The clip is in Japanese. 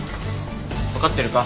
分かってるか？